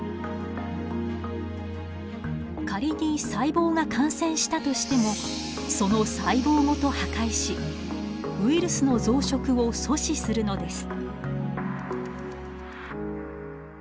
仮に細胞が感染したとしてもその細胞ごと破壊しウイルスの増殖を阻止するのです。